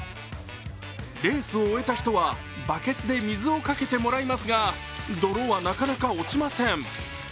レースを終えた人はバケツで水をかけてもらいますが泥はなかなか落ちません。